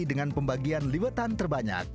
dengan pembagian liwetan terbanyak